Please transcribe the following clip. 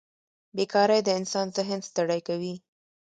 بېکارۍ د انسان ذهن ستړی کوي.